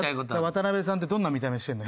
ワタナベさんってどんな見た目してるの？